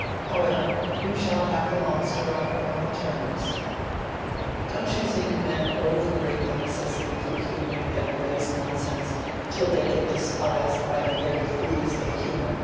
However, you shall have the monster on your own terms." "Don't you think men overrate the necessity for humoring everybody's nonsense, till they get despised by the very fools they humor?"